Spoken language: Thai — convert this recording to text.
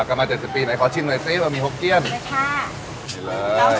ผัดกันมาเจ็ดสิบปีไหนขอชิ้นหน่อยสิว่ามีหกเกลี้ยนนี่ค่ะนี่เลย